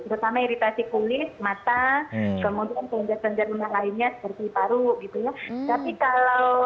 terutama iritasi kulit mata kemudian penjajaran darunah lainnya seperti paru gitu tapi kalau